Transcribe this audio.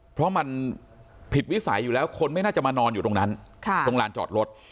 เพราะมันผิดวิสัยอยู่แล้วคนไม่น่าจะมานอนอยู่ตรงนั้นตรงลานจอดรถ